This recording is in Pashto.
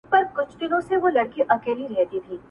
• سپرلی ټینګه وعده وکړي چي راځمه..